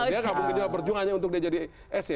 dia gabung ke dua perjuang hanya untuk dia jadi sc